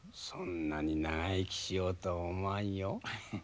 そんなに長生きしようとは思わんよ。